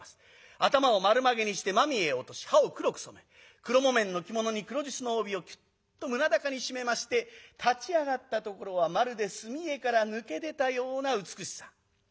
頭を丸まげにしてまみえを落とし歯を黒く染め黒木綿の着物に黒じゅすの帯をきゅっと胸高に締めまして立ち上がったところはまるで墨絵から抜け出たような美しさ。